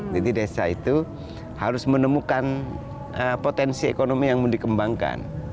jadi desa itu harus menemukan potensi ekonomi yang mau dikembangkan